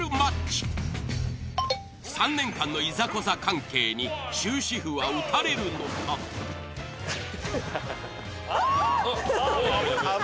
３年間のいざこざ関係に終止符は打たれるのか？